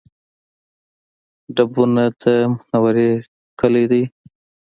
ډبونه د منورې کلی دی